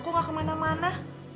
kok gak kemana mana